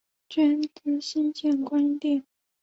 捐资新建观音殿。